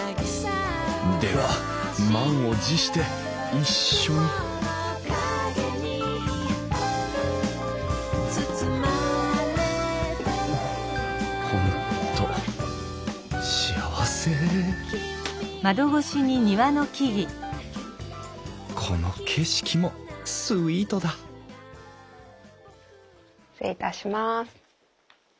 では満を持して一緒に本当幸せこの景色もスイートだ失礼いたします。